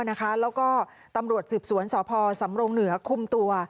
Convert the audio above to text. แล้วก็ตำรวจสืบสวนสพสำรงเหนือคุมตัว